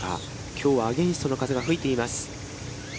きょうはアゲインストの風が吹いています。